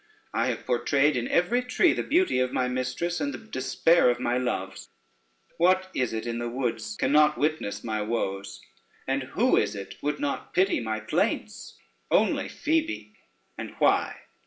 I have portrayed in every tree the beauty of my mistress, and the despair of my loves. What is it in the woods cannot witness my woes? and who is it would not pity my plaints? Only Phoebe. And why?